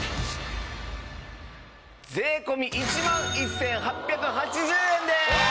税込１万１８８０円です！